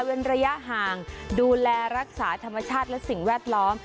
ระยะห่างดูแลรักษาธรรมชาติและสิ่งแวดล้อม